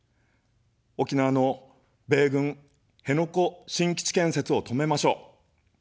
沖縄の米軍辺野古新基地建設を止めましょう。